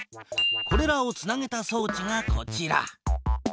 これらをつなげたそうちがこちら。